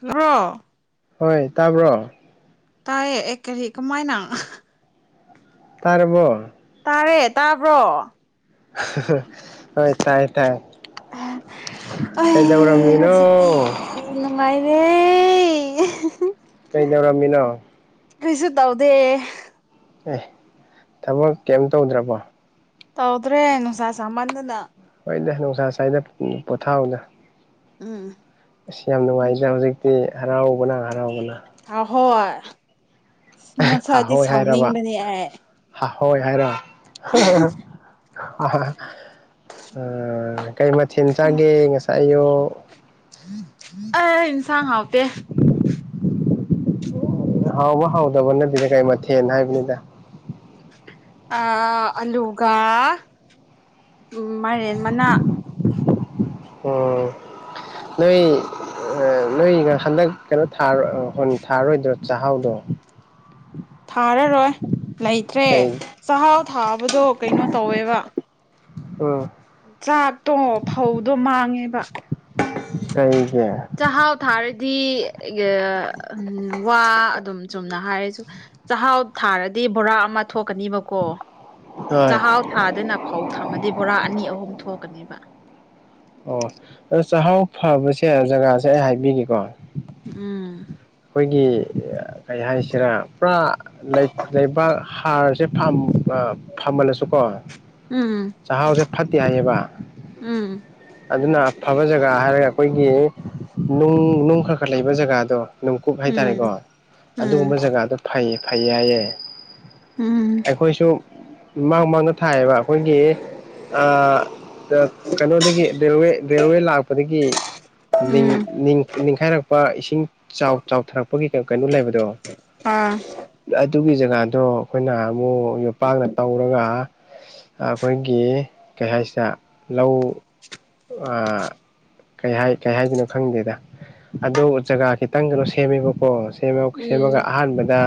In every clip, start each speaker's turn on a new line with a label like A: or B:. A: Hello
B: ꯍꯣꯏ ꯇꯥꯕ꯭ꯔꯣ
A: ꯇꯥꯏꯌꯦ ꯑꯦꯦꯔꯤ ꯀꯃꯥꯏꯅ
B: ꯇꯥꯔꯕꯣ
A: ꯇꯥꯔꯦ ꯇꯥꯕ꯭ꯔꯣ
B: ꯍꯣꯏ ꯇꯥꯏ ꯇꯥꯏ
A: ꯑꯩ
B: ꯀꯩꯗꯕꯔꯝꯃꯤꯅꯣ
A: ꯑꯦ
B: ꯀꯩꯗꯧꯔꯝꯃꯤꯅꯣ
A: ꯀꯔꯤꯁꯤꯗꯥꯎꯗꯦ
B: ꯑꯦ ꯊꯕꯛ ꯀꯩꯝ ꯇꯧꯗ꯭ꯔꯕꯣ
A: ꯇꯧꯗ꯭ꯔꯦ ꯅꯨꯡꯁꯥ ꯁꯥꯃꯟꯗꯅ
B: ꯑꫭꯏꯅꯦ ꯅꯨꯡꯁꯥ ꯁꯥꯏꯅꯣ ꯎꯝ ꯄꯣꯊꯥꯎꯗ
A: ꯎꯝ
B: ꯑꯁ ꯌꯥꯝ ꯅꯨꯡꯉꯥꯏꯗ ꯍꯧꯖꯤꯛꯇꯤ ꯍꯔꯥꯎꯕꯅ ꯍꯔꯥꯎꯕꯅ
A: ꯍꯥꯎ ꯍꯣꯏ ꯉꯁꯥꯏꯗꯤ ꯁꯥꯎꯅꯤꯡꯕꯅꯦ ꯑꯩ
B: ꯍꯣꯏ ꯍꯥꯏꯔꫭ ꯑꯍꯥ ꯍꯥ ꯎꯝ ꯀꯩ ꯃꯊꯦꯜ ꯆꯥꯒꯦ ꯉꯁꯥꯏ ꯑꯌꯨꯛ ꯑꫭ
A: ꯑꯩ ꯏꯟꯁꯥꯡ ꯍꯥꯎꯇꯦ
B: ꯍꯥꯎꯕ ꯍꯥꯎꯗꯕ ꯅꯠꯇꯦꯅꯦ ꯀꯩ ꯃꯊꯦꯜ ꯍꯥꯏꯕꯅꯤꯗ
A: ꯑ ꯑꯂꯨꯒ ꯃꯥꯏꯔꯦꯟ ꯃꯅꯥ
B: ꯑꯣ ꯅꯣꯏ ꯑꯩ ꯅꯣꯏꯒꯤ ꯍꯟꯗꯛ ꯀꯩꯅꯣ ꯊꯥꯒꯔ ꯑ ꯍꫭꯟ ꯊꯥꯔꯂꫭꯏꯗꯔꫭ ꯆꯥꯛꯍꯥꯎꯗꯣ
A: ꯊꯥꯔꯔꯣꯏ ꯂꯩꯇ꯭ꯔꯦ
B: ꯀꯩ
A: ꯆꯥꯛꯍꯥꯎ ꯊꯥꯕꯗꯣ ꯀꯩꯅꯣ ꯇꯧꯋꯦꯕ
B: ꯎꯝ
A: ꯆꯥꯛꯇꯣ ꯐꯧꯗꯣ ꯃꯥꯡꯉꯦꯕ
B: ꯀꯩ
A: ꯆꯥꯛꯍꯥꯎ ꯊꯥꯔꯗꯤ ꯋꯥ ꯑꯗꯨꯝ ꯁꯨꯝ ꯁꯨꯝ ꯅ ꯍꯥꯏꯔꯁꯨ ꯆꯥꯛꯍꯥꯎ ꯊꯥꯔꯗꯤ ꯕꯣꯔꯥ ꯑꯃ ꯊꯣꯛ ꯀꯅꯤꯕꯀꯣ
B: ꯍꯣꯏ
A: ꯆꯥꯛꯍꯥꯎ ꯊꯥꯗꯅ ꯐꯧ ꯊꯝꯃꯗꯤ ꯕꯣꯔꯥ ꯑꯅꯤ ꯑꯍꯨꯝ ꯊꯣꯛꯀꯅꯤꯕ
B: ꯑꯣ ꯑꯗꯨ ꯆꯥꯛꯍꯥꯎ ꯐꯕꯁꯦ ꯖꯒꯥꯁꯦ ꯑꯩ ꯍꯥꯏꯕꯤꯒꯦꯀꯣ
A: ꯎꯝ
B: ꯑꯩꯈꯣꯏꯒꯤ ꯀꯩ ꯍꯥꯏꯁꯤꯔ ꯄꯨꯔꯥ ꯂꯩ ꯂꯩꯕꯥꯛ ꯍꯥꯔꯁꯦ ꯐꯝ ꯑꯃ ꯐꯝꯃꯜꯂꯁꯨꯀꯣ
A: ꯎꯝ
B: ꯆꯥꯛꯍꯥꯎꯖꯦ ꯐꯠꯇꯦ ꯍꯥꯏꯌꯦꯕ
A: ꯎꯝ
B: ꯑꯗꯨꯅ ꯑꯐꯕ ꯖꯒꯥ ꯍꯥꯏꯔꯒ ꯑꯩꯈꯣꯏꯒꯤ ꯅꯨꯡ ꯅꯨꯡ ꯈꯔ ꯈꯔ ꯂꯩꯕ ꯖꯒꯥꯗꯣ ꯅꯨꯡꯀꯨꯞ
A: ꯎꯝ
B: ꯍꯥꯏꯇꯥꯔꯦꯀꯣ
A: ꯎꯝ
B: ꯑꯗꯨꯒꯨꯝꯕ ꯖꯒꯥꯗꯣ ꯐꯩ ꯐꯩꯌꯦ ꯍꯥꯏꯌꯦ
A: ꯎꯝ
B: ꯑꯩꯈꯣꯏꯁꯨ ꯃꯥꯡ ꯃꯥꯡꯗ ꯊꯥꯏꯌꯦꯕ ꯑꯩꯈꯣꯏꯒꯤ ꯑ ꯀꯩꯅꯣꯗꯒꯤ ꯔꯦꯜꯋꯦ ꯔꯦꯜꯋꯦ ꯂꯥꯛꯄꯗꯒꯤ
A: ꯎꯝ
B: ꯅꯤꯡꯈꯥꯏꯔꯛꯄ ꯏꯁꯤꯡ ꯆꯥꯎ ꯆꯥꯎꯊꯔꯛꯄꯒꯤ ꯀꯩꯅꯣ ꯂꯩꯕꯗꯣ
A: ꯑꯥ
B: ꯑꯗꯨꯒꯤ ꯖꯒꯥꯗꯣ ꯑꯩꯈꯣꯏꯅ ꯑꯃꯨꯛ ꯌꯣꯄꯥꯛꯅ ꯇꯧꯔꯒ ꯑꯩꯈꯣꯏꯒꯤ ꯀꯩ ꯍꯥꯏꯁꯤꯔ ꯂꯧ ꯑ ꯀꯩ ꯍꯥꯏ ꯀꯩ ꯍꯥꯏꯗꯣꯏꯅꯣ ꯈꯪꯗꯦꯗ ꯑꯗꯣ ꯖꯒꯥ ꯈꯤꯇꯪ ꯁꯦꯝꯃꯦꯕꯀꯣ ꯁꯦꯝꯃ ꯁꯦꯝꯃꯒ
A: ꯎꯝ
B: ꯑꯍꯥꯟꯕꯗ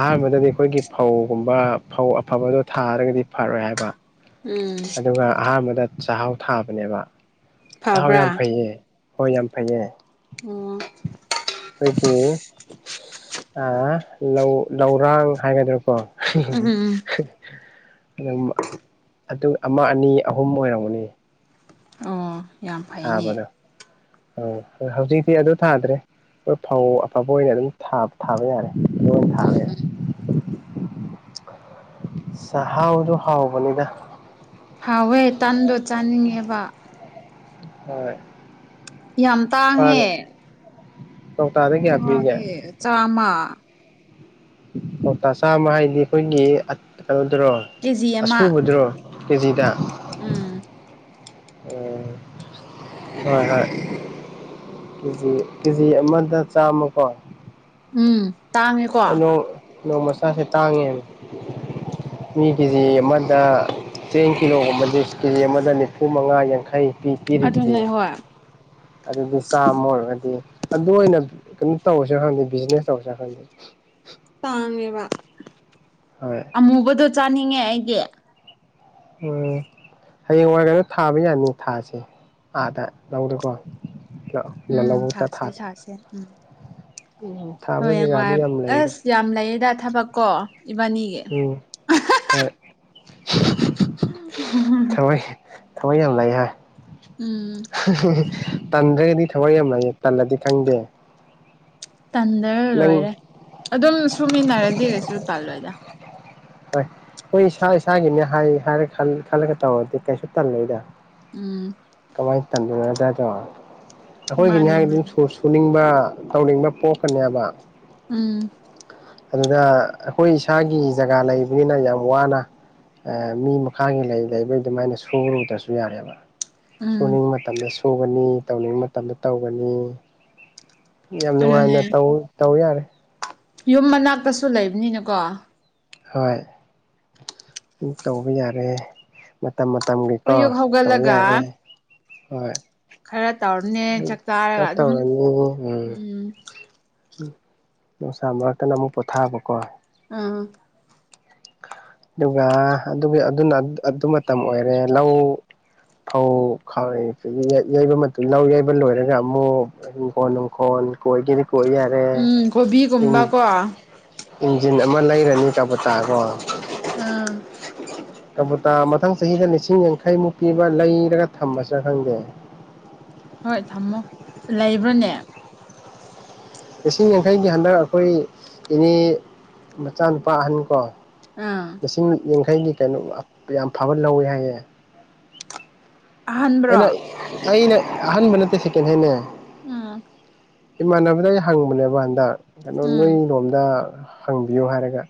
B: ꯑꯍꯥꯟꯕꯗꯗꯤ ꯑꯩꯈꯣꯏꯒꯤ ꯐꯧꯒꯨꯝꯕ ꯐꯧ ꯑꯐꯕꯗꯣ ꯊꯥꯔꯒꯗꯤ ꯐꯔꯣꯏ ꯍꯥꯏꯕ
A: ꯎꯝ
B: ꯑꯗꯨꯒ ꯑꯍꯥꯟꯕꯗ ꯆꯥꯛꯍꯥꯎ ꯊꯥꯕꯅꯦꯕ ꯁꯍꯥꯎ ꯌꯥꯝ
A: ꯐꯕ꯭ꯔꯥ
B: ꯐꯩꯌꯦ ꯍꯣꯏ ꯌꯥꯝ ꯐꯩꯌꯦ
A: ꯑꯣ
B: ꯑꯩꯈꯣꯏꯒꯤ ꯂꯧ ꯂꯧꯔꯥꯡ ꯍꯥꯏꯒꯗ꯭ꯔꯥꯀꯣ [unintelligible]
A: ꯎꯝ ꯎꯝ
B: ꯍꯥꯏꯗꯤ ꯑꯗꯨꯝ ꯑꯗꯨ ꯑꯃ ꯑꯅꯤ ꯑꯍꯨꯝ ꯑꯣꯏꯔꯝꯒꯅꯤꯌꯦ
A: ꯑꯣ ꯌꯥꯝ ꯐꯩꯅꯦ
B: ꯑꯧ ꯍꯧꯖꯤꯛꯇꯤ ꯑꯗꯨ ꯊꯥꯗ꯭ꯔꯦ ꯑꯩꯈꯣꯏ ꯐꯧ ꯑꯐꯕ ꯑꯣꯏꯅ ꯑꯗꯨꯝ ꯊꯥ ꯊꯥꯕ ꯌꯥꯔꯦ ꯑꯗꯨ ꯑꯣꯏꯅ ꯊꯥꯕ ꯌꯥꯔꯦ
A: ꯎꯝ
B: ꯆꯥꯛꯍꯥꯎꯗꯨ ꯍꯥꯎꯕꯅꯤꯗ
A: ꯍꯥꯎꯋꯦ ꯇꯟꯗꯣ ꯆꯥꯅꯤꯡꯉꯦꯕ
B: ꯍꯣꯏ
A: ꯌꯥꯝ ꯇꯥꯡꯉꯦ
B: ꯐꯔ ꯀꯧꯇꯥꯗ ꯀꯌꯥ ꯄꯤꯒꯦ
A: ꯆꯛꯆꯥꯎꯗꯤ‌ ꯆꯥꯝꯃ
B: ꯀꫭꯛꯇ ꯆꯥꯝꯃ ꯍꯥꯏꯗꯤ ꯑꯩꯈꯣꯏꯒꯤ ꯀꯩꯅꯣꯗꯨꯔꯣ
A: ꯀꯦꯖꯤ ꯑꯃ
B: ꯑꯁꯨꯨꯕꯗꯨꯔꯣ ꯀꯦꯖꯤꯗ
A: ꯎꯝ
B: ꯎꯝ ꯍꯣꯏ ꯍꯣꯏ ꯀꯦꯖꯤ ꯀꯦꯖꯤ ꯑꯃꯗ ꯆꯥꯝꯃꯀꯣ
A: ꯎꯝ ꯇꯥꯡꯉꯦꯀꯣ
B: ꯅꯣꯡ ꯅꯣꯡꯃ ꯆꯥꯁꯦ ꯇꯥꯡꯉꯦꯕ ꯃꯤ ꯀꯦꯖꯤ ꯑꯃꯗ ꯆꯦꯡ ꯀꯤꯂꯣꯒꯨꯝꯕꯗꯤ ꯀꯦꯖꯤ ꯑꯃꯗ ꯅꯤꯐꯨ ꯃꯉꯥ ꯌꯥꯡꯈꯩ ꯄꯤ ꯄꯔꯤꯁꯤꯗꯤ
A: ꯑꯗꯨꯅꯦ ꯍꯣꯏ
B: ꯑꯗꯨꯁꯨ ꯆꯥꯝꯃ ꯑꯗꯨ ꯑꯣꯏꯅ ꯀꯩꯅꯣ ꯇꯧꯔꯁꯤꯔ ꯈꯪꯗꯦ ꯕꯤꯖꯤꯅꯦꯁ ꯇꯧꯔꯁꯤꯔ ꯈꯪꯗꯦ
A: ꯇꯥꯡꯉꯦꯕ
B: ꯍꯣꯏ
A: ꯑꯃꯨꯕꯗꯣ ꯆꯥꯅꯤꯡꯉꯦ ꯑꯩꯗꯤ
B: ꯎꯝ ꯍꯌꯦꯡꯋꯥ [unintelligible] ꯊꯥꯕ ꯌꯥꯅꯤ ꯊꯥꯁꯦ ꯑꯥꯗ ꯂꯧꯗꯀꯣ
A: ꯎꯝ
B: ꯂꯧꯕꯨꯛꯇ
A: ꯊꯥꯁꯦ
B: ꯊꯥꯥꯁꯦ
A: ꯊꯥꯁꯦ ꯎꯝ
B: ꯎꯝ ꯊꯥꯕ ꯖꯒꯥꯗꯤ
A: ꯍꯌꯦꯡꯋꯥꯏ
B: ꯌꯥꯝ ꯂꯩꯔꯦ
A: ꯑꯁ ꯌꯥꯝ ꯂꯩꯌꯦꯗ ꯊꯕꯛ ꯀꯣ ꯏꯕꯥꯅꯤꯒꯤ
B: ꯎꯝ ꯍꯣꯏ
A: [unintelligible]
B: ꯊꯋꯥ ꯌꯥꯝꯅ ꯂꯩ ꯍꯥꯏ
A: ꯎꯝ
B: [unintelligible] ꯇꯟꯗ꯭ꯔꯒꯗꯤ ꯊꯋꯥꯏ ꯌꯥꯝ ꯂꯩꯌꯦ ꯇꯜꯂꯗꯤ ꯈꯪꯗꯦ
A: ꯇꯟꯗ꯭ꯔꯒ
B: ꯅꯪ
A: ꯂꯣꯏꯔꯦ ꯑꯗꯨꯝ ꯁꯨꯃꯤꯟꯅꯔꯗꯤ ꯀꯩꯁꯨ ꯇꯜꯂꯣꯏꯗ
B: ꯍꯣꯏ ꯑꯩ ꯏꯁꯥ ꯏꯁꯥꯒꯤꯅꯦ ꯍꯥꯏꯔ ꯈꯜꯂꯒ ꯇꯧꯔꯗꯤ ꯀꯩꯁꯨ ꯇꯜꯂꯣꯏꯗ
A: ꯎꯝ
B: ꯀꯃꯥꯏꯅ ꯇꯟꯗꯣꯏꯅꯗꯥꯗꯣ ꯑꯩꯈꯣꯏꯒꯤꯅꯦ
A: ꯃꯥꯅꯦ
B: ꯍꯥꯛ ꯑꯗꯨꯝ
A: ꯃꯥꯅꯦ
B: ꯁꯨꯅꯤꯡꯕ ꯇꯧꯅꯤꯡꯕ ꯄꯣꯛꯀꯅꯦꯕ
A: ꯎꯝ
B: ꯑꯗꯨꯗ ꯑꯩꯈꯣꯏ ꯏꯁꯥꯒꯤ ꯖꯒꯥ ꯂꯩꯕꯅꯤꯅ ꯌꯥꯝ ꯋꯥꯅ ꯃꯤ ꯃꯈꯥꯒꯤ ꯂꯩ ꯂꯩꯕꯩ ꯑꯗꯨꯃꯥꯏꯅ ꯁꯨꯔꯨꯗ꯭ꯔꯁꯨ ꯌꯥꯔꯦꯕ
A: ꯎꯝ
B: ꯁꯨꯅꯤꯡꯕ ꯃꯇꯝꯗ ꯁꯨꯒꯅꯤ ꯇꯧꯅꯤꯡꯕ ꯃꯇꯝꯗ ꯇꯧꯒꯅꯤ ꯌꯥꯝ
A: ꯑꯗꯨꯅꯦ
B: ꯅꯨꯡꯉꯥꯏꯅ ꯇꯧ ꯌꯥꯔꯦ
A: ꯌꯨꯝ ꯃꯅꯥꯛꯇꯁꯨ ꯂꯩꯕꯅꯤꯅꯀꯣ
B: ꯍꯣꯏ ꯇꯧꯕ ꯌꯥꯔꯦ ꯃꯇꯝ ꯃꯇꯝꯒꯤꯀꯣ
A: ꯑꯌꯨꯛ
B: ꯇꯧꯕ
A: ꯍꯧꯒꯠꯂꯒ
B: ꯌꯥꯔꯦ ꯍꯣꯏ
A: ꯈꯔ ꯇꯧꯔꯅꯦ ꯆꯥꯛ ꯆꯥꯔꯒ ꯑꯗꯨꯝ
B: ꯇꯧꯔꯅꯤ ꯎꯝ
A: ꯎꯝ
B: ꯅꯨꯡꯁꯥꯥ ꯃꯔꯛꯇꯅ ꯑꯃꯨꯛ ꯄꯣꯊꯥꯕ ꯀꯣ
A: ꯑꯥ
B: ꯑꯗꯨꯒ ꯑꯗꯨꯒꯤꯅ ꯑꯗꯨ ꯃꯇꯝ ꯑꯣꯏꯔꯦ ꯂꯧ ꯐꯧ ꯈꯥꯏ ꯑꯗꯒꯤ ꯌꯩꯕ ꯃꯇꯝ ꯂꯧ ꯌꯩꯕ ꯂꯣꯏꯔꯒ ꯑꯃꯨꯛ ꯍꯤꯡꯈꯣꯜ ꯅꯨꯡꯈꯣꯜ ꯈꯣꯏꯒꯦꯗꯤ ꯈꯣꯏ ꯌꯥꯔꯦ
A: ꯎꯝ
B: ꯏꯟ
A: ꯀꯣꯕꯤꯒꯨꯝꯕꯀꯣ ꯑꯥ
B: ꯏꯟꯖꯤꯟ ꯑꯃ ꯂꯩꯔꯅꯤ ꯀꯕꯨꯇꯥ ꯀꯣ
A: ꯑꯥ
B: ꯀꯕꯨꯇꯥ ꯑꯃ ꯃꯊꯪ ꯆꯍꯤꯗ ꯂꯤꯁꯤꯡ ꯌꯥꯡꯈꯩꯃꯨꯛ ꯄꯤꯕ ꯂꯩꯔꯒ ꯊꯝꯃꯁꯤꯔ ꯈꯪꯗꯦ
A: ꯍꯣꯏ ꯊꯝꯃꯣ ꯂꯩꯕ꯭ꯔꯅꯦ
B: ꯂꯤꯁꯤꯡ ꯌꯥꯡꯈꯩꯒꯤ ꯍꯟꯗꯛ ꯑꯩꯈꯣꯏ ꯏꯅꯦ ꯃꯆꯥꯅꯨꯄꯥ ꯑꯍꯟ ꯀꯣ
A: ꯑꯥ
B: ꯂꯤꯁꯤꯡ ꯌꯥꯡꯈꯩꯒꯤ ꯀꯩꯅꯣ ꯌꯥꯝ ꯐꯕ ꯂꯧꯋꯦ ꯍꯥꯏꯌꯦ
A: ꯑꯍꯥꯟꯕ꯭ꯔꯣ
B: ꯑꯩꯅ ꯑꯩꯅ ꯑꯍꯥꯟꯕ ꯅꯠꯇꯦ ꯁꯦꯀꯦꯟ ꯍꯦꯟꯅꯦ
A: ꯑ
B: ꯏꯃꯥꯟꯅꯕꯗ ꯑꯩ ꯍꯪꯕꯅꯦꯕ ꯍꯟꯗꯛ ꯀꯩꯅꯣ
A: ꯎꯝ
B: ꯅꯣꯏ ꯔꯣꯝꯗ ꯍꯪꯕꯤꯌꯨ ꯍꯥꯏꯔꯒ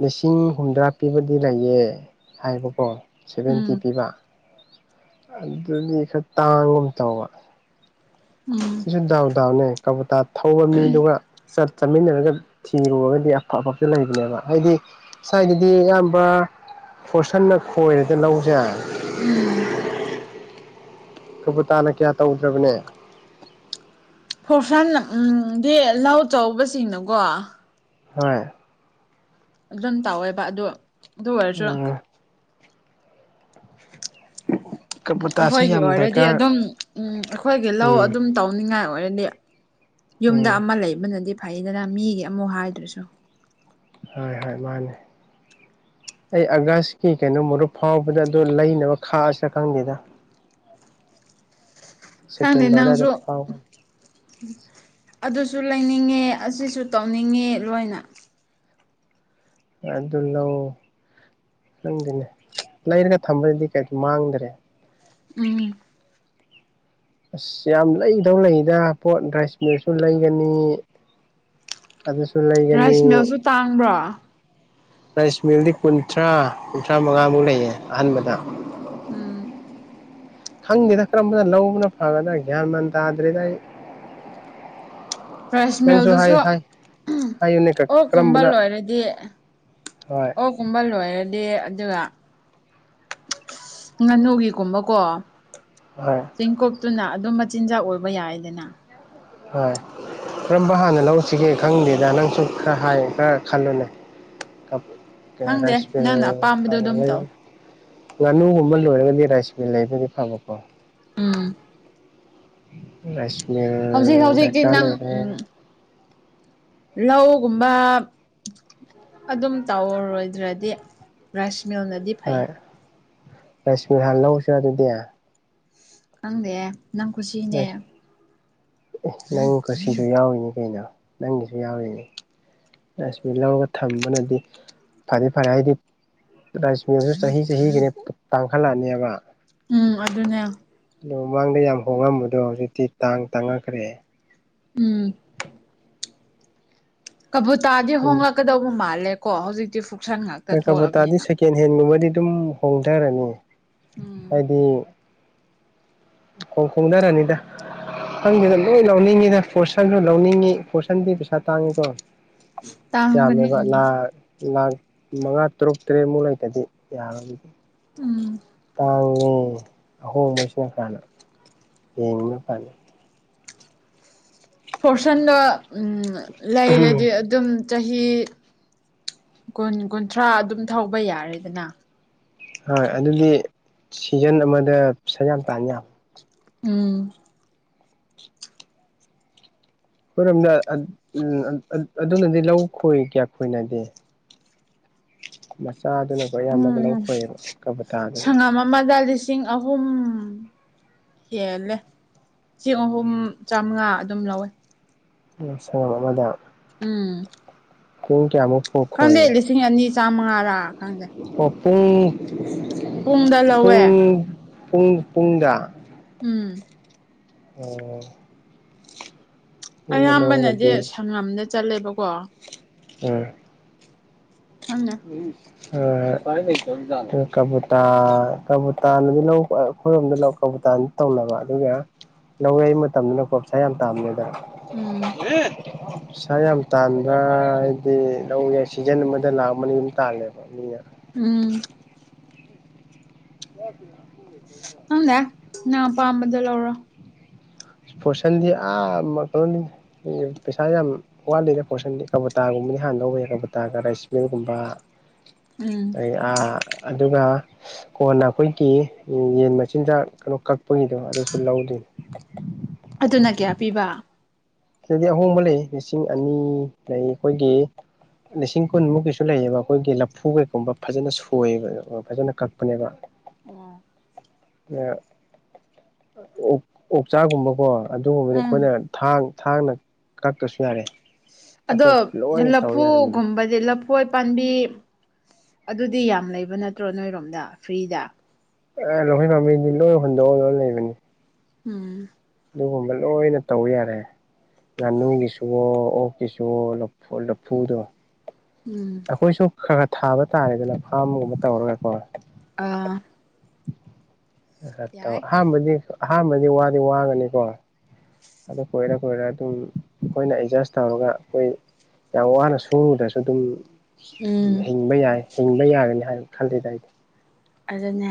B: ꯂꯤꯁꯤꯡ ꯍꯨꯝꯗ꯭ꯔꯥ ꯄꯤꯕꯗꯤ ꯂꯩꯌꯦ ꯍꯥꯏꯕꯀꯣ ꯁꯚꯦꯟꯇꯤ
A: ꯎꯝ
B: ꯄꯤꯕ ꯑꯗꯨꯗꯤ ꯈꯔ ꯇꯥꯡꯒꯨꯝ ꯇꯧꯕ
A: ꯎꯝ
B: ꯁꯤꯁꯨ ꯗꯥꯎ ꯗꯥꯎꯅꯦ ꯀꯕꯨꯇꯥ ꯊꯧꯕ ꯃꯤꯗꯨꯒ ꯆꯠ ꯆꯥꯃꯤꯟꯅꯔꯒ ꯊꯤꯔꯨꯔꯒꯗꯤ ꯑꯐ ꯑꯐꯕꯁꯨ ꯂꯩꯕꯅꯦꯕ ꯍꯥꯏꯗꯤ ꯁ꯭ꯋꯥꯏꯒꯤꯗꯤ ꯑꯌꯥꯝꯕ ꯐꯣꯔꯁꯟꯅ ꯈꯣꯏꯔꯗꯤ ꯂꯧꯁꯦ
A: ꯎꯝ
B: ꯊꯕꯨꯇꯥꯥꯅ ꯀꯌꯥ ꯇꯧꯗ꯭ꯔꯕꯅꯦ
A: ꯐꯣꯔꯁꯟꯅ ꯎꯝ ꯗꯤ ꯂꯧ ꯆꯧꯕꯁꯤꯡꯅꯀꯣ
B: ꯍꯣꯏ
A: ꯑꯗꯨꯝ ꯇꯧꯋꯦꯕ ꯑꯗꯨ ꯑꯗꯨ ꯑꯣꯏꯔꯁꯨ
B: ꯎꯝ ꯀꯕꯨꯇꯥꯁꯤ
A: ꯑꯩꯈꯣꯏꯒꯤ
B: ꯌꯥꯝ
A: ꯑꯣꯏꯔꯗꯤ
B: ꯗꯔꯀꯥꯔ
A: ꯑꯗꯨꯝ ꯎꯝ ꯑꯩꯈꯣꯏꯒꯤ ꯂꯧ
B: ꯎꯝ
A: ꯑꯗꯨꯝ ꯇꯧꯅꯤꯡꯉꯥꯏ ꯑꯣꯏꯔꯗꯤ ꯌꯨꯝꯗ
B: ꯎꯝ
A: ꯑꯃ ꯂꯩꯕꯅꯗꯤ ꯐꯩꯗꯅ ꯃꯤꯒꯤ ꯑꯃꯨꯛ ꯍꯥꯏꯗ꯭ꯔꯁꯨ
B: ꯍꯣꯏ ꯍꯣꯏ ꯃꯥꯟꯅꯦ ꯑꯩ ꯑꯥꯒꯁꯀꯤ ꯀꯩꯅꯣ ꯃꯔꯨꯞ ꯐꯥꯎꯕꯗ ꯑꯗꯨ ꯂꯩꯅꯕ ꯈꯥꯛꯑꯁꯤꯔ ꯈꯪꯗꯦꯗ
A: ꯈꯪꯗꯦ
B: ꯁꯦꯞꯇꯦꯝꯕꯔ ꯑꯗꯥꯏꯗ
A: ꯅꯪꯁꯨ
B: ꯐꯥꯎꯒꯅꯤ
A: ꯑꯗꯨꯁꯨ ꯂꯩꯅꯤꯡꯉꯤ ꯑꯁꯤꯁꯨ ꯇꯧꯅꯤꯡꯉꯤ ꯂꯣꯏꯅ
B: ꯑꯗꯨ ꯂꯧ ꯈꯪꯁꯦꯅꯦ ꯂꯩꯔꯒ ꯊꯝꯕꯗꯗꯤ ꯀꯩ ꯃꯥꯡꯗ꯭ꯔꯦ
A: ꯎꯝ
B: ꯑꯁ ꯌꯥꯝ ꯂꯩꯗꯧ ꯂꯩꯗ ꯄꯣꯠ ꯗ꯭ꯔꯥꯏꯁꯃꯤꯔꯁꯨ ꯂꯩꯒꯅꯤ ꯑꯗꯨꯁꯨ ꯂꯩꯥꯏꯒꯅꯤ
A: ꯔꯥꯏꯁ ꯃꯤꯜꯁꯨ ꯇꯥꯡꯕ꯭ꯔꯣ
B: ꯔꯥꯏꯁ ꯃꯤꯜꯗꯤ ꯀꯨꯟꯊ꯭ꯔꯥ ꯀꯨꯟꯊ꯭ꯔꯥ ꯃꯉꯥꯃꯨꯛ ꯂꯩꯌꯦ ꯑꯍꯥꯟꯕꯗ
A: ꯎꯝ
B: ꯈꯪꯗꯦꯗ ꯀꯔꯝꯕꯅ ꯂꯧꯕꯅ ꯐꯒꯗ꯭ꯔꯥ ꯒ꯭ꯌꯥꯟ ꯃꯥꯟ ꯇꯥꯗ꯭ꯔꯦꯗ ꯑꯩ
A: ꯔꯥꯏꯁ
B: ꯅꯪꯁꯨ
A: ꯃꯤꯜꯗꯨꯁꯨ
B: ꯍꯥꯏ ꯍꯥꯏ ꯍꯥꯏꯌꯨꯅꯦ ꯀꯔꯝꯕꯅ ꯍꯣꯏ
A: ꯑꯣꯛ ꯀꯨꯝꯕ ꯂꯣꯏꯔ ꯑꯗꯨꯒ ꯉꯥꯅꯨꯒꯤꯒꯨꯝꯕꯀꯣ
B: ꯍꯣꯏ
A: ꯆꯤꯡꯀꯣꯛꯇꯨꯅ ꯑꯗꯨꯝ ꯃꯆꯤꯟꯖꯥꯛ ꯑꯣꯏꯕ ꯌꯥꯏꯗꯅ
B: ꯍꯣꯏ ꯀꯔꯝꯕ ꯍꯥꯟꯅ ꯂꯧꯁꯤꯒꯦ ꯈꯪꯗꯦꯗ ꯅꯪꯁꯨ ꯈꯔ ꯍꯥꯏ ꯈꯔ ꯈꯜꯂꯨꯅꯦ ꯀ
A: ꯈꯪꯗꯦ
B: ꯔꯥꯏꯁ
A: ꯅꯪꯅ
B: ꯃꯤꯜ
A: ꯑꯄꯥꯝꯕꯗꯣ
B: ꯍꯥꯟꯅ
A: ꯑꯗꯨꯝ
B: ꯂꯩ
A: ꯇꯧ
B: ꯉꯥꯅꯨꯒꯨꯝꯕ ꯂꯣꯏꯔꯒꯗꯤ ꯔꯥꯏꯁ ꯃꯤꯜ ꯂꯩꯕꯗꯤ ꯐꯕꯀꯣ
A: ꯎꯝ
B: ꯔꯥꯢꯁꯃꯤꯜ
A: ꯍꯧꯖꯤꯛ ꯍꯧꯖꯤꯛꯇꯤ
B: ꯗꯔꯀꯥꯔ
A: ꯅꯪ ꯎꯝ
B: ꯂꯩꯔꯦ꯫
A: ꯂꯧꯒꯨꯝꯕ ꯑꯗꯨꯝ ꯇꯧꯔꯣꯏꯗ꯭ꯔꯗꯤ ꯔꯥꯢꯁ ꯃꯤꯜ ꯅꯗꯤ ꯐꯩ꯫
B: ꯔꯥꯢꯁ ꯃꯤꯜ ꯍꯥꯟꯅ ꯂꯧꯔꯁꯤꯔ ꯑꯗꯨꯗꯤ꯫
A: ꯈꯪꯗꯦꯌꯦ ꯅꯪ ꯈꯨꯁꯤꯅꯦ꯫
B: ꯑꯦ ꯅꯪ ꯀꯨꯁꯤꯁꯨ ꯌꯥꯎꯔꯤꯅꯤ ꯀꯩꯅꯣ ꯅꯪꯒꯤꯁꯨ ꯌꯥꯎꯔꯤꯅꯤ꯫ ꯔꯥꯁꯃꯤꯜ ꯂꯧꯔꯒ ꯊꯝꯕꯅꯗꯤ ꯐꯗꯤ ꯐꯔꯦ ꯍꯥꯏꯗꯤ꯫ ꯔꯥꯁꯃꯤꯜꯁꯨ ꯆꯍꯤ ꯆꯍꯤꯒꯤꯅꯦ ꯇꯥꯡꯈꯠꯂꯛꯑꯅꯤꯕ꯫
A: ꯎꯝ ꯑꯗꯨꯅꯦ꯫
B: ꯑꯗꯣ ꯃꯃꯥꯡꯗ ꯌꯥꯝ ꯍꯣꯡꯉꯝꯕꯗꯣ ꯍꯧꯖꯤꯛꯇꯤ ꯇꯥꯡ ꯇꯥꯡꯉꯛꯈ꯭ꯔꯦ꯫
A: ꯎꯝ꯫ ꯀꯕꯨꯇꯥꯗꯤ ꯍꯣꯡꯂꯛꯀꯗꯧꯕ ꯃꯥꯜꯂꯦ ꯀꯣ ꯍꯧꯖꯤꯛꯇꯤ꯫ ꯐꯨꯛꯁꯟ ꯉꯥꯛꯇ
B: ꯍꯣꯏ ꯀꯕꯨꯇꯥꯗꯤ
A: ꯊꯣꯛꯂꯕꯅꯤꯅ
B: ꯁꯦꯀꯦꯟ ꯍꯦꯟꯒꯨꯝꯕꯗꯤ ꯑꯗꯨꯝ ꯍꯣꯡꯊꯔꯅꯤ
A: ꯎꯝ
B: ꯍꯥꯏꯗꯤ ꯈꯣꯡ ꯈꯣꯡꯅꯔꯅꯤꯗ ꯈꯪꯗꯦꯗ
A: ꯎꯝ
B: ꯂꯣꯏ ꯂꯧꯎꯅꯤꯡꯉꯤꯗ꯫ ꯐꯣꯔꯁꯟꯁꯨ ꯂꯧꯅꯤꯡꯉꯤ ꯐꯣꯔꯁꯟꯗꯤ ꯄꯩꯁꯥ ꯇꯥꯡꯉꯤꯗꯣ
A: ꯇꯥꯡꯕꯅꯤ
B: ꯌꯥꯝꯃꯦꯕ
A: ꯎꯝ
B: ꯂꯥꯛ ꯂꯥꯛ ꯃꯉꯥ ꯇꯔꯨꯛ ꯇꯔꯦꯠꯃꯨꯛ ꯂꯩꯇꯗꯤ ꯌꯥꯔꯣꯏꯗꯤ
A: ꯎꯝ
B: ꯇꯥꯡ ꯑꯍꯣꯡꯕꯁꯤꯅ ꯍꯥꯟꯅ ꯌꯦꯡꯕꯅ ꯐꯅꯤ
A: ꯐꯣꯔꯁꯟꯗꯣ ꯎꯝ ꯂꯩꯔꯗꯤ ꯑꯗꯨꯝ ꯆꯍꯤ ꯀꯨꯟ ꯀꯨꯟꯊ꯭ꯔꯥ ꯑꯗꯨꯝ ꯊꯧꯕ ꯌꯥꯔꯦꯗꯅ
B: ꯍꯣꯏ ꯑꯗꯨꯗꯤ ꯁꯤꯖꯟ ꯑꯃꯗ ꯄꯩꯁꯥ ꯌꯥꯝ ꯇꯥꯟ ꯌꯥꯝ
A: ꯎꯝ
B: ꯑꯩꯈꯣꯏꯔꯣꯝꯗ ꯑꯗꯨꯅꯗꯤ ꯂꯧ ꯈꯣꯏ ꯀꯌꯥ ꯈꯣꯏꯅꯗꯦ꯫ [unintelligible]
A: ꯎꯝ
B: ꯑꯌꯥꯝꯕꯒ ꯂꯧ
A: ꯎꯝ
B: ꯈꯣꯏꯌꯦꯕ ꯀꯕꯨꯇꯥꯗꯨꯅ
A: ꯁꯪꯉꯝ ꯑꯃꯗ ꯂꯤꯁꯤꯡ ꯑꯍꯨꯝ꯫ ꯍꯦꯜꯂꯦ ꯆꯦꯡ ꯑꯍꯨꯝ ꯆꯥꯝꯃꯉꯥ ꯑꯗꯨꯝ ꯂꯧꯋꯦ꯫
B: ꯁꯪꯒꯝ ꯑꯃꯗ꯫
A: ꯎꯝ
B: ꯀꯣꯝ ꯀꯌꯥꯃꯨꯛ꯫ ꯐꯥꯎ
A: ꯈꯪꯗꯦ
B: ꯈꯣꯏꯌꯦ
A: ꯂꯤꯁꯤꯡ ꯑꯅꯤ ꯆꯥꯝꯃꯉꯥꯔꯥ ꯈꯪꯗꯦ꯫
B: ꯑꯣ ꯄꯨꯡ
A: ꯄꯨꯡꯗ ꯂꯧꯋꯦ꯫
B: ꯄꯨꯡ ꯄꯨꯡ ꯄꯨꯡꯗ꯫
A: ꯎꯝ꯫
B: ꯑꯣ꯫ ꯌꯨꯝꯗ
A: ꯑꯌꯥꯝꯕꯅꯗꯤ
B: ꯂꯧꯔꯒꯗꯤ
A: ꯁꯪꯉꯝꯗ ꯆꯠꯂꯦꯕꯀꯣ꯫
B: ꯎꯝ
A: ꯈꯪꯅꯦ
B: ꯀꯕꯨꯇ ꯀꯕꯨꯨꯇꯅꯗꯤ ꯂꯧ ꯑꯩꯈꯣꯏ ꯔꯣꯝꯗ ꯂꯧ꯫ ꯇꯧꯕꯨꯇꯥꯅꯗꯤ ꯇꯧꯅꯕ ꯑꯗꯨꯒ ꯂꯧ ꯌꯥꯩ ꯃꯇꯝꯗꯅꯀꯣ ꯄꯩꯁꯥ ꯌꯥꯝ ꯇꯥꯟ [unintelligible]
A: ꯎꯝ
B: [unintelligible] ꯄꯩꯥꯁꯥ ꯌꯥꯝ ꯇꯥꯟꯕ ꯍꯥꯏꯗꯤ ꯂꯧ ꯌꯩ ꯁꯤꯖꯟ ꯑꯃꯗ ꯂꯥꯛ ꯑꯃ ꯑꯅꯤꯗꯤ ꯑꯗꯨꯝ ꯇꯥꯜꯂꯦꯕ ꯃꯤꯅ꯫
A: ꯎꯝ꯫
B: [unintelligible]
A: ꯈꯪꯗꯦ ꯅꯪ ꯑꯄꯥꯝꯕꯗꯨ ꯂꯧꯔꯣ꯫
B: ꯐꯣꯔꯁꯟꯗꯤ ꯑꯥ ꯄꯩꯁꯥ ꯌꯥꯝ ꯋꯥꯠꯂꯤꯗ ꯐꯣꯔꯁꯟꯗꯤ ꯀꯕꯨꯇꯥꯒꯨꯝ ꯗꯤ ꯍꯥꯟꯅ ꯂꯧꯕ ꯌꯥꯢ ꯀꯕꯨꯇꯒ ꯔꯥꯢꯁ ꯃꯤꯜꯒꯨꯝꯕ
A: ꯎꯝ
B: ꯑꯗꯩ ꯑꯥ ꯑꯗꯨꯒ ꯀꯣꯟꯅ ꯑꯩꯈꯣꯏꯒꯤ ꯌꯦꯟ ꯃꯆꯤꯟꯖꯥꯛ ꯀꯩꯅꯣ ꯀꯛꯄꯒꯤꯗꯣ ꯑꯗꯨꯁꯨ ꯂꯧ [unintelligible]
A: ꯑꯗꯨꯅ ꯀꯌꯥ ꯄꯤꯕ
B: ꯁꯤꯗꯗꯤ ꯑꯍꯣꯡꯕ ꯂꯩ ꯂꯤꯁꯤꯡ ꯑꯅꯤ ꯂꯩ ꯑꯩꯈꯣꯏꯒꯤ ꯂꯤꯁꯤꯡ ꯀꯨꯟꯃꯨꯛꯀꯤꯁꯨ ꯂꯩꯌꯦꯕ ꯑꯩꯈꯣꯏꯒꯤ ꯂꯐꯨ ꯀꯩꯒꯨꯝꯕ ꯐꯖꯅ ꯁꯣꯏꯌꯦꯕ ꯐꯖꯅ ꯀꯛꯄꯅꯦꯕ
A: ꯎꯝ
B: ꯑ ꯑꯣꯛ ꯆꯆꯥꯒꯨꯝꯕꯀꯣ ꯑꯗꯨꯒꯨꯝꯕꯗꯤ
A: ꯎꯝ
B: ꯑꯩꯈꯣꯏꯅ ꯊꯥꯡ ꯊꯥꯡꯅ ꯀꯛꯇꯁꯨ ꯌꯥꯔꯦ
A: ꯑꯗꯣ
B: ꯑꯇꯣꯞ ꯂꯣꯏꯅ ꯇꯧ ꯌꯥꯔꯦ
A: ꯂꯐꯨꯒꯨꯝꯕꯗꯤ ꯂ ꯍꯣꯏ ꯄꯥꯝꯕꯤ ꯑꯗꯨꯗꯤ ꯌꯥꯝ ꯂꯩꯕ ꯅꯠꯇ꯭ꯔꯣ ꯅꯣꯏꯔꯣꯝꯗ ꯐ꯭ꯔꯤꯗ
B: ꯑꯦ ꯂꯣꯏꯍꯣꯏ ꯃꯥꯝꯕꯤꯗꯤ ꯂꯣꯏ ꯍꯣꯟꯟꯗꯣꯛꯑ ꯂꯣꯏ ꯂꯩꯕꯅꯤ
A: ꯎꯝ
B: ꯑꯗꯨꯒꯨꯝꯕ ꯂꯣꯏꯅ ꯇꯧ ꯌꯥꯔꯦ ꯉꯥꯅꯨꯒꯤꯁꯨ ꯑꯣꯛꯀꯤꯁꯨ ꯂꯐꯨꯗꯣ
A: ꯎꯝ
B: ꯑꯩꯈꯣꯏꯁꯨ ꯈꯔ ꯈꯔ ꯊꯥꯕ ꯇꯥꯔꯦꯗꯅ ꯐꯥꯝꯒꯨꯝꯕ ꯇꯧꯔꯒꯀꯣ
A: ꯑꯥ ꯌꯥꯏ
B: ꯑꯍꯥꯟꯕꯗꯤ ꯑꯍꯥꯟꯕꯗꯤ ꯋꯥꯗꯤ ꯋꯥꯒꯅꯤꯀꯣ ꯑꯗꯨ ꯀꯣꯏꯔ ꯀꯣꯏꯔ ꯑꯗꯨꯝ ꯑꯩꯈꯣꯏꯅ ꯑꯦꯠꯖꯁ ꯇꯧꯔꯒ ꯑꯩꯈꯣꯏ ꯌꯥꯝ ꯋꯥꯅ ꯁꯨꯔꯨꯗ꯭ꯔꯁꯨ ꯑꯗꯨꯝ
A: ꯎꯝ
B: ꯍꯤꯡꯕ ꯌꯥꯏ ꯍꯤꯡꯕ ꯌꯥꯒꯅꯤ ꯍꯥꯏꯕ ꯈꯜꯂꯤꯗ ꯑꯩꯗꯤ
A: ꯑꯗꯨꯅꯦ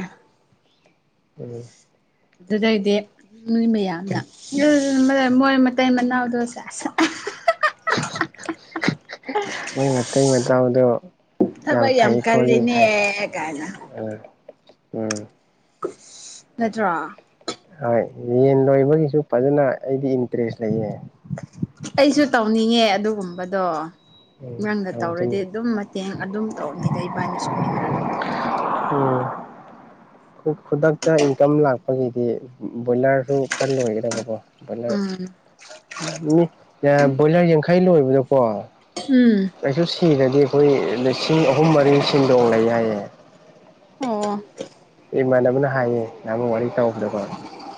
B: ꯎꯝ
A: ꯑꯗꯨꯗꯩꯗꯤ ꯃꯤ ꯃꯌꯥꯝꯗ ꯃꯣꯏ ꯃꯇꯩ ꯃꯅꯥꯎꯗꯣ ꯁꯦꯁ
B: [unintelligible] ꯃꯣꯏ ꯃꯇꯩ ꯃꯇꯥꯎꯗꯣ ꯌꯥꯝ ꯐꯩ ꯈꯣꯠꯂꯤ ꯍꯥꯏ
A: ꯑꯂ
B: ꯎꯝ ꯎꯝ
A: ꯅꯠꯇ꯭ꯔꯥ
B: ꯍꯣꯏ ꯌꯦꯟ ꯂꯣꯏꯕꯒꯤꯁꯨ ꯐꯖꯅ ꯑꯩꯗꯤ ꯏꯟꯇꯔꯦꯁ ꯂꯩꯌꯦ
A: ꯑꯩꯁꯨ ꯇꯧꯅꯤꯡꯉꯦ ꯑꯗꯨꯒꯨꯝꯕꯗꯣ
B: ꯎꯝ
A: ꯅꯪꯅ ꯇꯧꯔꯗꯤ
B: ꯇꯧꯗꯣꯏꯅꯤ
A: ꯑꯗꯨꯝ ꯃꯇꯦꯡ ꯑꯗꯨꯝ ꯇꯧꯔꯅꯤꯗ ꯏꯕꯥꯅꯤ ꯁꯨꯃꯤꯟꯅꯔꯒ ꯂꯣꯏꯔꯦ
B: ꯎꯝ ꯈꯨꯗꯛꯇ ꯏꯟꯀꯝ ꯂꯥꯛꯄꯒꯤꯗꯤ ꯕꯣꯏꯂꯔꯁꯨ ꯈꯔ ꯂꯣꯏꯒꯗꯕꯀꯣ
A: ꯎꯝ
B: ꯕꯣꯏꯂꯔ ꯌꯥꯡꯈꯩ ꯂꯣꯏꯕꯗꯣ ꯀꯣ
A: ꯎꯝ
B: ꯑꯩꯁꯨ ꯁꯤꯔꯗꯤ ꯑꯩꯈꯣꯏ ꯂꯤꯁꯤꯡ ꯑꯍꯨꯝ ꯃꯔꯤ ꯊꯁꯤꯡꯗꯣꯡ ꯂꯩ ꯍꯥꯏꯌꯦ
A: ꯍ
B: ꯑꯩ ꯏꯃꯥꯟꯅꯕꯅ ꯍꯥꯏꯌꯦ ꯅꯍꯃ ꯋꯥꯔꯤ ꯆꯥꯎꯕꯗꯀꯣ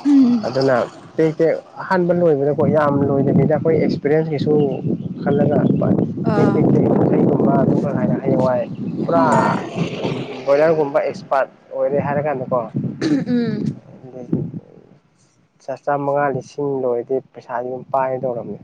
A: ꯎꯝ
B: ꯑꯗꯨꯅ ꯇꯦꯛ ꯇꯦꯛ ꯑꯍꯥꯟꯕ ꯂꯣꯏꯕꯗꯀꯣ ꯌꯥꯝ ꯂꯣꯏꯗꯕꯤꯗ ꯑꯩꯈꯣꯏ ꯑꯦꯛꯁꯄꯤꯔꯤꯦꯟꯁ ꯀꯩꯁꯨ ꯈꯜꯂꯒꯄ
A: ꯑꯥ
B: ꯍꯩꯒꯨꯝꯕ ꯑꯗꯨꯒ ꯍꯥꯏꯅ ꯍꯩꯋꯥꯏ ꯄꯨꯔꯥ
A: ꯎꯝ
B: ꯕꯣꯏꯂꯔꯒꯨꯝꯕ ꯑꯦꯛꯁꯄꯥꯔꯠ ꯑꯣꯏꯔꯦ ꯍꯥꯏꯔ ꯀꯥꯟꯗꯀꯣ
A: ꯎꯝ
B: ꯆꯥꯝꯃꯉꯥ ꯂꯤꯁꯤꯡ ꯂꯣꯏꯔꯗꯤ ꯄꯩꯁꯥꯗꯤ ꯑꯗꯨꯝ ꯄꯥꯏꯒ ꯇꯧꯔꯝꯅꯦ